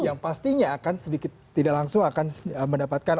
yang pastinya akan sedikit tidak langsung akan mendapatkan